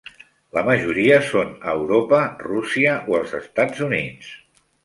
La majoria són a Europa, Rússia o els Estats Units.